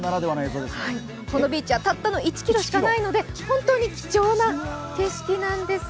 このビーチはたったの１ｋｍしかないので本当に貴重な景色なんです。